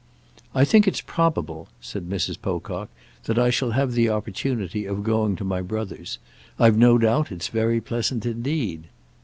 "I think it probable," said Mrs. Pocock, "that I shall have the opportunity of going to my brother's. I've no doubt it's very pleasant indeed."